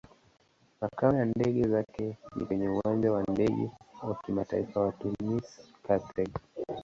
Makao ya ndege zake ni kwenye Uwanja wa Ndege wa Kimataifa wa Tunis-Carthage.